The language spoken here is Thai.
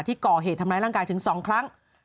ที่ก่อเหตุทำร้ายร่างกายถึง๒ครั้ง